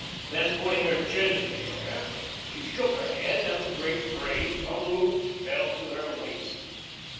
Then putting her chin in the air, she shook her head, and the great braids, unlooped, fell to her waist.